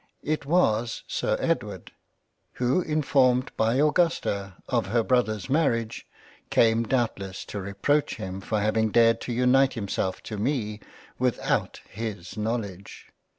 It was Sir Edward, who informed by Augusta of her Brother's marriage, came doubtless to reproach him for having dared to unite himself to me without his Knowledge.